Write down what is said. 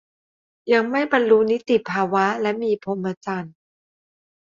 ยังไม่บรรลุนิติภาวะและมีพรหมจรรย์